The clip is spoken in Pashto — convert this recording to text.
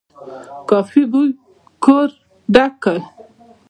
د کافي بوی کور ډک کړ.